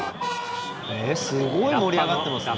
ええすごい盛り上がってますね。